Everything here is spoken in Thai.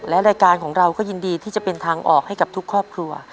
และรายการของเราก็ยินดีที่จะเป็นทางออกให้กับทุกครอบครัว